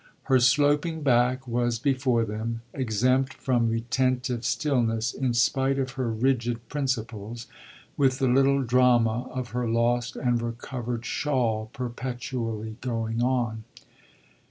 Her sloping back was before them, exempt from retentive stillness in spite of her rigid principles, with the little drama of her lost and recovered shawl perpetually going on.